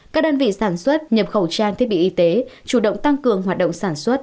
các đơn vị sản xuất nhập khẩu trang thiết bị y tế chủ động tăng cường hoạt động sản xuất